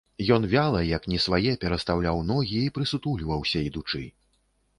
Ён вяла, як не свае, перастаўляў ногі і прысутульваўся ідучы.